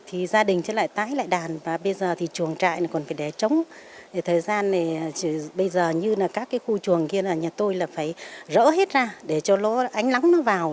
thì gia đình sẽ lại tái lại đàn